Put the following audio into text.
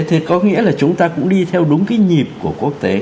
thì có nghĩa là chúng ta cũng đi theo đúng cái nhịp của quốc tế